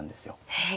へえ。